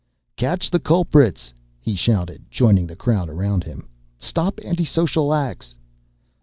"Catch the culprits!" he shouted, joining the crowd around him. "Stop anti social acts!"